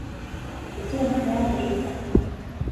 Які натхняе да жыцця.